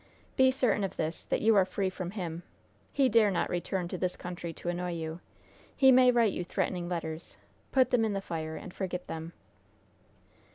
"Be certain of this that you are free from him. He dare not return to this country to annoy you. He may write you threatening letters. Put them in the fire, and forget them."